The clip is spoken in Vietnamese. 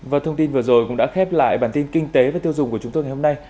và thông tin vừa rồi cũng đã khép lại bản tin kinh tế và tiêu dùng của chúng tôi ngày hôm nay